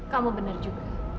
kamu bener juga